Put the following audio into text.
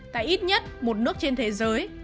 tại ít nhất một nước trên thế giới